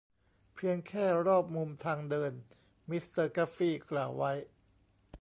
เพียงแค่รอบมุมทางเดินมิสเตอร์กัฟฟี่กล่าวไว้